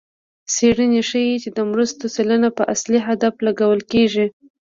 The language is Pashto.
څېړنې ښيي چې د مرستو سلنه په اصلي هدف لګول کېږي.